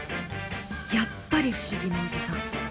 やっぱり不思議なおじさん。